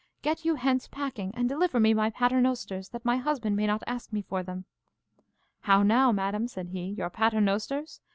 Get you hence packing, and deliver me my paternosters, that my husband may not ask me for them. How now, madam, said he, your paternosters?